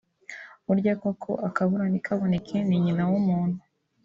Burya koko akabura ntikaboneke ni nyina w'umuntu